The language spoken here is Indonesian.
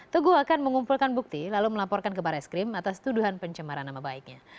teguh akan mengumpulkan bukti lalu melaporkan ke barreskrim atas tuduhan pencemaran nama baiknya